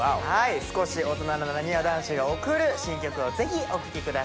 少し大人のなにわ男子が送る新曲をぜひお聴きください。